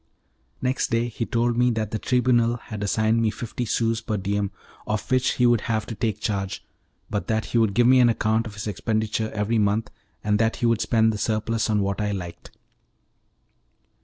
Next day he told me that the Tribunal had assigned me fifty sous per diem of which he would have to take charge, but that he would give me an account of his expenditure every month, and that he would spend the surplus on what I liked.